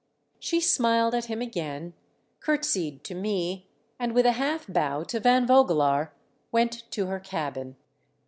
She smiled at him again, curtsied to me, and with a half bow to Van Vogelaar went to her cabin.